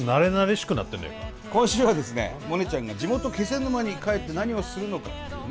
今週はですねモネちゃんが地元気仙沼に帰って何をするのかっていうね